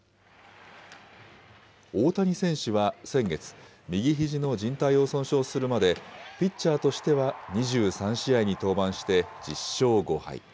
大谷選手は先月、右ひじのじん帯を損傷するまでピッチャーとしては２３試合に登板して１０勝５敗。